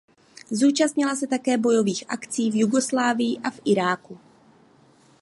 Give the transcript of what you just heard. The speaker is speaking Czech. Zúčastnila se taktéž bojových akcí v Jugoslávii a v Iráku.